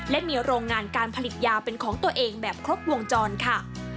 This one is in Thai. และมีโรงงานการผลิตยาเป็นของตัวเองแบบครบวงจรค่ะ